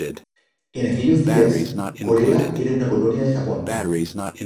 En aquellos días, Corea era una colonia de Japón.